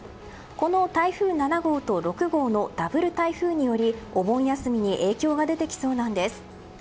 この台風７号と６号のダブル台風によりお盆休みに影響が出てきそうなんです。